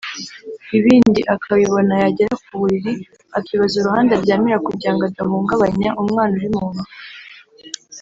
ibindi akabibona ; yagera ku buriri akibaza uruhande aryamira kugirango adahungabanya umwana uri mu nda